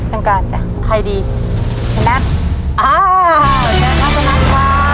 ต้องการจ้ะใครดีแค่นั้นอ้าวแชร์ครับขอบคุณครับ